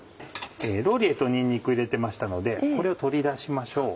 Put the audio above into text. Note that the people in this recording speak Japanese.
ローリエとにんにくを入れてましたのでこれを取り出しましょう。